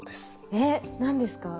えっ何ですか？